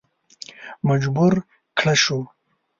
مجبور کړه شو.